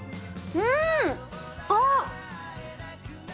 うん！あっ！